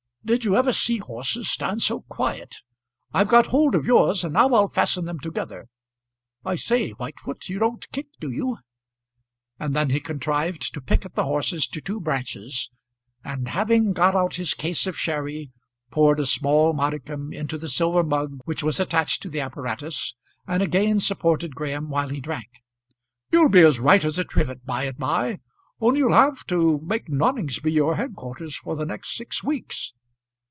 Did you ever see horses stand so quiet. I've got hold of yours, and now I'll fasten them together. I say, Whitefoot, you don't kick, do you?" And then he contrived to picket the horses to two branches, and having got out his case of sherry, poured a small modicum into the silver mug which was attached to the apparatus and again supported Graham while he drank. "You'll be as right as a trivet by and by; only you'll have to make Noningsby your headquarters for the next six weeks."